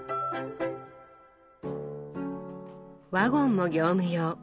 ワゴンも業務用。